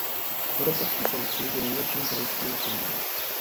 Co do počtu soudců je nejmenším krajským soudem.